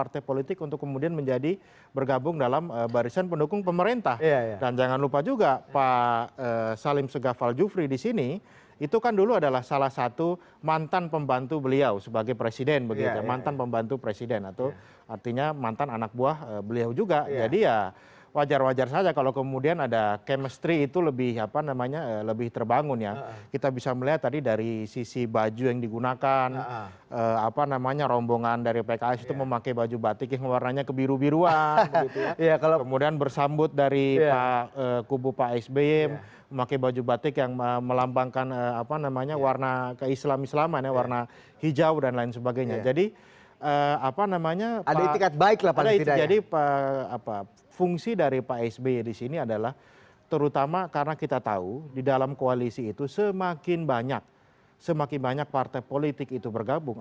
tahu di dalam koalisi itu semakin banyak semakin banyak partai politik itu bergabung